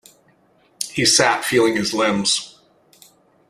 He sat feeling his limbs.